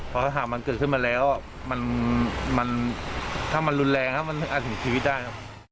เพราะถ้ามันเกิดขึ้นมาแล้วมันมันถ้ามันรุนแรงครับมันอาจถึงชีวิตได้